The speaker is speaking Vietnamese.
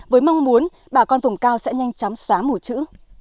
với mong muốn bà con vùng cao sẽ nhanh chóng xóa mùa trữ